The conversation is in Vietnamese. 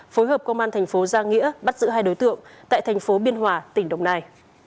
phối hợp công an thành phố giang nghĩa bắt giữ hai đối tượng tại thành phố biên hòa tỉnh đồng nai